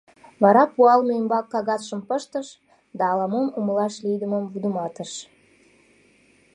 Вара пуалме ӱмбак кагазшым пыштыш да ала-мом умылаш лийдымым вудыматыш.